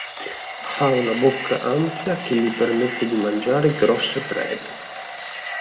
Ha una bocca ampia che gli permette di mangiare grosse prede.